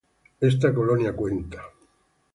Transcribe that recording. Esta colonia cuenta.